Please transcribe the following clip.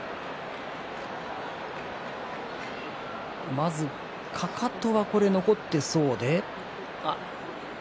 まず、かかとは残っていそうで。